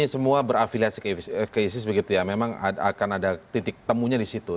ini semua berafiliasi ke isis begitu ya memang akan ada titik temunya di situ